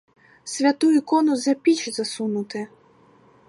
Святу ікону за піч засунути!